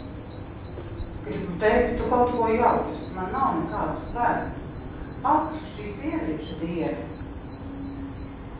Gribu teikt: Tu kaut ko jauc, man nav nekādu svētku! Ak, šī sieviešu diena!